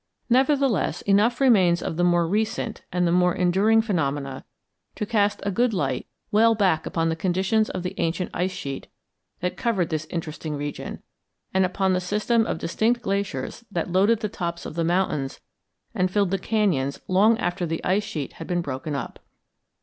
Nevertheless, enough remains of the more recent and the more enduring phenomena to cast a good light well back upon the conditions of the ancient ice sheet that covered this interesting region, and upon the system of distinct glaciers that loaded the tops of the mountains and filled the cañons long after the ice sheet had been broken up.